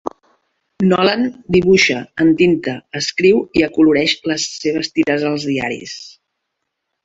Nolan dibuixa, entinta, escriu i acoloreix les seves tires als diaris.